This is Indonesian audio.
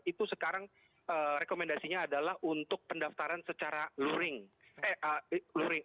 itu sekarang rekomendasinya adalah untuk pendaftaran secara luring